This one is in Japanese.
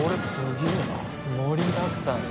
許）盛りだくさん。